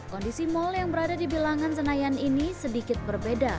kondisi mal yang berada di bilangan senayan ini sedikit berbeda